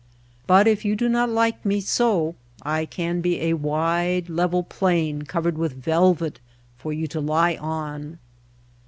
But if you do not like me so I can be a wide, level plain covered with velvet for you to lie on.